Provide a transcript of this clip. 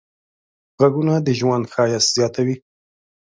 غږونه د ژوند ښایست زیاتوي.